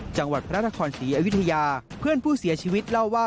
จังหวัดพระนครศรีอยุธยาเพื่อนผู้เสียชีวิตเล่าว่า